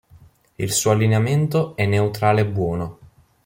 Il suo allineamento è Neutrale Buono.